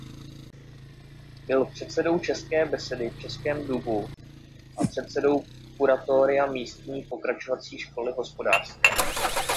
Byl předsedou České besedy v Českém Dubu a předsedou kuratoria místní Pokračovací školy hospodářské.